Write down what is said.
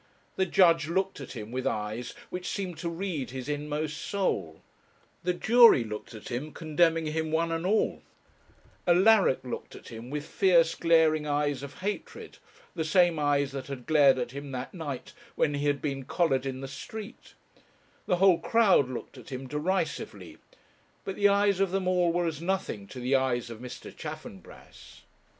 The judge looked at him with eyes which seemed to read his inmost soul; the jury looked at him, condemning him one and all; Alaric looked at him with fierce, glaring eyes of hatred, the same eyes that had glared at him that night when he had been collared in the street; the whole crowd looked at him derisively; but the eyes of them all were as nothing to the eyes of Mr. Chaffanbrass.